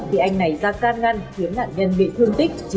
vì anh này ra can ngăn khiến nạn nhân bị thương tích chín mươi sáu